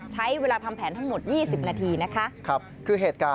ใช้เวลาทำแผนทั้งหมด๒๐นาทีนะคะ